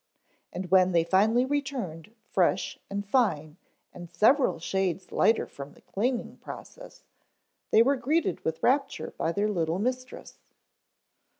And when they finally returned fresh and fine and several shades lighter from the cleaning process, they were greeted with rapture by their little mistress.